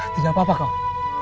tidak apa apa kawan